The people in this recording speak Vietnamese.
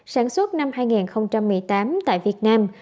sản xuất năm hai nghìn một mươi tám tại việt nam